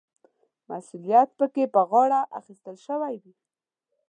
مسوولیت پکې په غاړه اخیستل شوی وي.